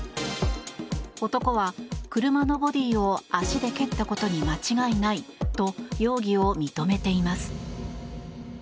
男は、車のボディーを足で蹴ったことに間違いないと容疑を認めています。